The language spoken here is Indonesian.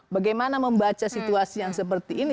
bagaimana membaca situasi yang seperti ini